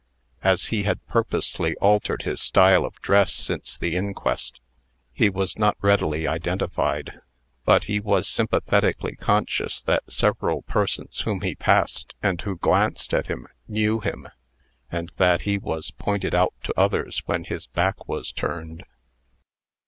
As he had purposely altered his style of dress since the inquest, he was not readily identified. But he was sympathetically conscious that several persons whom he passed, and who glanced at him, knew him, and that he was pointed out to others when his back was turned.